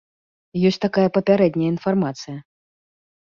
Ёсць такая папярэдняя інфармацыя.